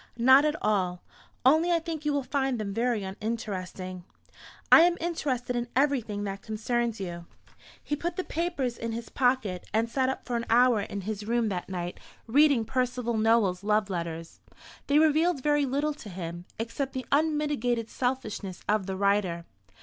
"Not at all. Only I think you will find them very uninteresting." "I am interested in everything that concerns you." He put the papers in his pocket, and sat up for an hour in his room that night reading Percival Nowell's love letters. They revealed very little to him, except the unmitigated selfishness of the writer.